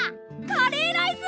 カレーライス！